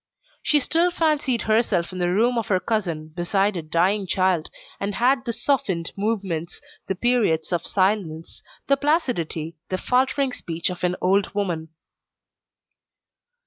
She still fancied herself in the room of her cousin, beside a dying child, and had the softened movements, the periods of silence, the placidity, the faltering speech of an old woman.